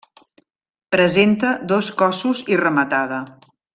Presenta dos cossos i rematada.